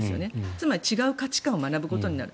つまり、違う価値観を学ぶことになる。